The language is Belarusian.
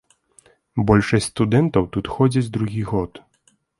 Большасць студэнтаў тут ходзяць другі год.